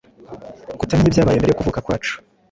"Kutamenya ibyabaye mbere yo kuvuka kwacu,